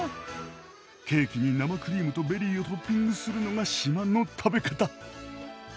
ケーキに生クリームとベリーをトッピングするのが島の食べ方。